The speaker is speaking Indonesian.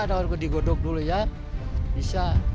kalau digodok dulu ya bisa mandi